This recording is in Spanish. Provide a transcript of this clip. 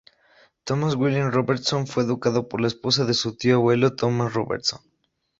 Thomas William Robertson fue educado por la esposa de su tío abuelo, Thomas Robertson.